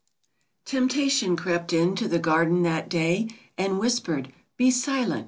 T EMPTATION" crept into the garden that day, And whispered, "Be silent!